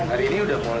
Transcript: hari ini sudah boleh